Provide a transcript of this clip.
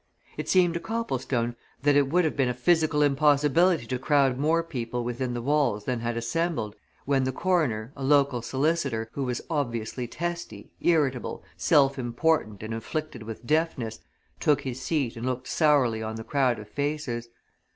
It seemed to Copplestone that it would have been a physical impossibility to crowd more people within the walls than had assembled when the coroner, a local solicitor, who was obviously testy, irritable, self important and afflicted with deafness, took his seat and looked sourly on the crowd of faces.